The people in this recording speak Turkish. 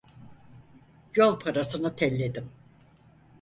Yol parasını telledim.